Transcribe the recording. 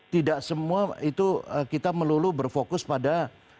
tidak semua itu kita melulu berfokus pada